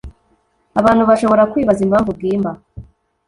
Abantu bashobora kwibaza impamvu Bwimba